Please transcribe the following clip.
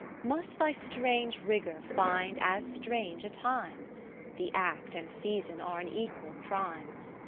Must thy strange rigour find as strange a time ? The act and season are an equal crime.